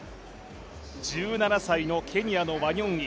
１７歳のケニアのワニョンイ。